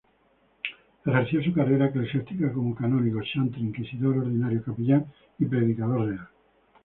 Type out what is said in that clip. Ejerció su carrera eclesiástica como canónigo, chantre, inquisidor ordinario, capellán y predicador real.